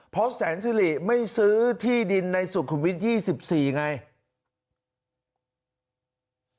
เพราะแสนสิริไม่ซื้อที่ดินในสุขุมวิทย์๒๔ไง